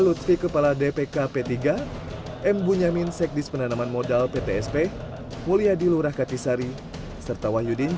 lutfi kepala dpk p tiga m bunyamin sekdis penanaman modal ptsp mulyadi lurah katisari serta wahyudin